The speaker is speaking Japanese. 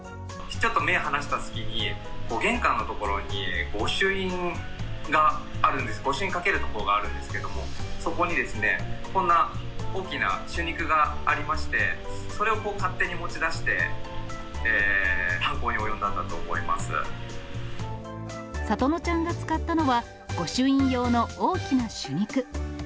ちょっと目離した隙に、玄関の所に、御朱印があるんです、御朱印をかけるところがあるんですけれども、そこに、こんな大きな朱肉がありまして、それをこう、勝手に持ち出して、さとのちゃんが使ったのは、御朱印用の大きな朱肉。